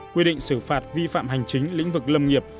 quy định xử phạt vi phạm hành chính lĩnh vực lâm nghiệp